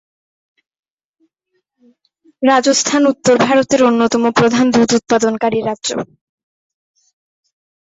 রাজস্থান উত্তর ভারতের অন্যতম প্রধান দুধ উৎপাদনকারী রাজ্য।